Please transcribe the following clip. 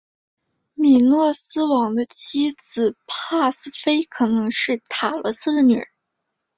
米诺斯王的妻子帕斯菲可能是塔罗斯的女儿。